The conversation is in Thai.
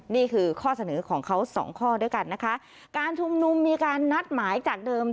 นี่คือข้อเสนอของเขาสองข้อด้วยกันนะคะการชุมนุมมีการนัดหมายจากเดิม